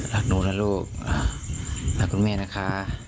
รักหนูนะลูกรักคุณแม่นะคะ